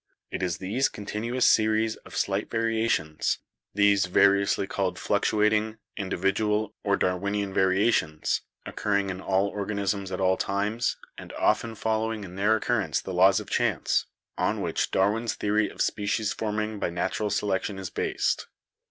It is these continuous series of slight variations, these variously called fluctuating, in 210 BIOLOGY dividual, or Darwinian variations, occurring in all organ isms at all times, and often following in their occurrence the laws of chance, on which Darwin's theory of species forming by natural selection is based.